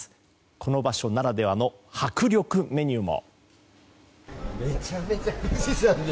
この場所ならではの迫力メニューも！